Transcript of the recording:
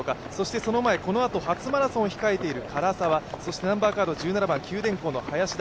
その前、このあと初マラソンを控えしている唐沢、そして１７番・九電工の林田。